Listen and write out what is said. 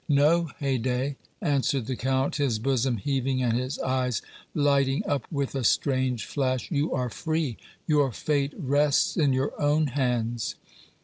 "No, Haydée," answered the Count, his bosom heaving and his eyes lighting up with a strange flash, "you are free, your fate rests in your own hands."